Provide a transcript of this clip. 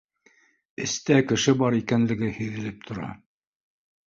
Эстә кеше бар икәнлеге һиҙелеп тора